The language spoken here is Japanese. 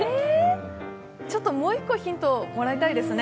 もう１個ヒントもらいたいですね。